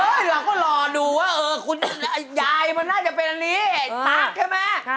คุณยายก็รอดูว่ายายมันน่าจะเป็นอันนี้ตั๊กใช่ไหม